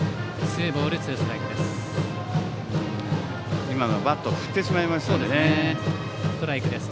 ツーボールツーストライクです。